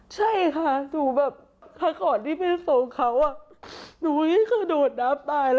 ใช่ค่ะถ้าก่อนที่ไปส่งเขาหนูก็คือขนวดน้ำตาย